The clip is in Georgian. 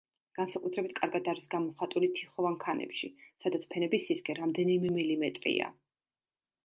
განსაკუთრებით კარგად არის გამოხატული თიხოვან ქანებში, სადაც ფენების სისქე რამდენიმე მილიმეტრია.